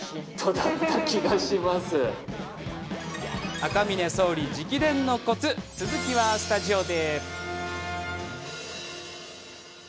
赤嶺総理直伝のコツ続きはスタジオで。